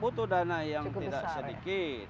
butuh dana yang tidak sedikit